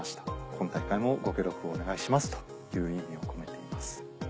今大会もご協力をお願いしますという意味を込めています。